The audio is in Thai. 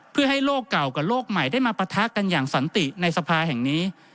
เพื่อให้โลกเก่ากับโลกใหม่ได้มาปะทะกันอย่างสันติในสภาแห่งนี้